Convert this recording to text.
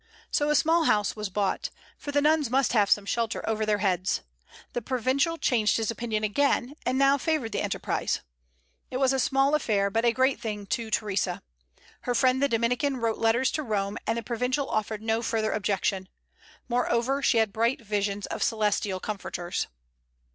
So a small house was bought, for the nuns must have some shelter over their heads. The provincial changed his opinion again, and now favored the enterprise. It was a small affair, but a great thing to Theresa. Her friend the Dominican wrote letters to Rome, and the provincial offered no further objection. Moreover, she had bright visions of celestial comforters.